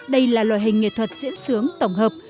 đây là loại hình nghệ thuật diễn xướng tổng hợp